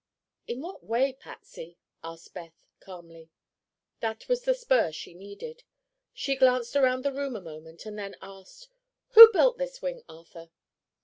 "In what way, Patsy?" asked Beth, calmly. That was the spur she needed. She glanced around the room a moment and then asked: "Who built this wing, Arthur?"